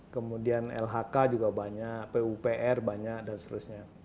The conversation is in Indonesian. kemudian lhk juga banyak pupr banyak dan seterusnya